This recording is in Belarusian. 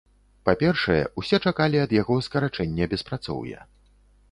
Па-першае, усе чакалі ад яго скарачэння беспрацоўя.